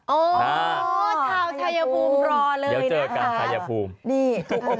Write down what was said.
โอ้ชาวชายภูมิรอเลยนะคะ